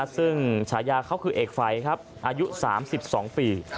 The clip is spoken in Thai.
ซึ่งฉายาเขาคือเอกไฟครับอายุ๓๒ปี